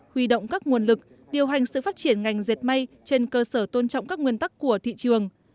huy động các nguồn lực điều hành sự phát triển ngành dệt may trên cơ sở tôn trọng các nguyên tắc của thị trường